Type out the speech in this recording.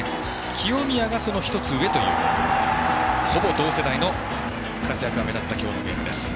清宮がその１つ上というほぼ同世代の活躍が目立った今日のゲームです。